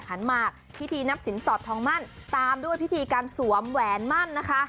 ขันหมากพิธีนับสินสอดทองมั่นตามด้วยพิธีการสวมแหวนมั่นนะคะ